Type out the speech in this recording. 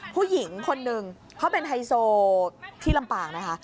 ผู้หญิงคนหนึ่งเขาเป็นไฮโซที่ลำปางนะคะ